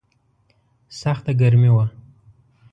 سخته ګرمي وه.